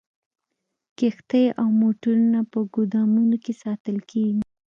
کښتۍ او موټرونه په ګودامونو کې ساتل کیږي